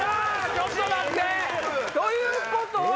ちょっと待って！ということは。